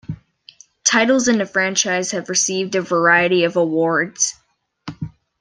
Titles in the franchise have received a variety of awards.